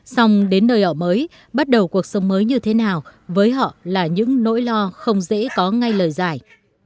xong đến nơi ở mới bắt đầu cuộc sống mới như thế nào với họ là những nỗi lo không dễ có ngay lời giải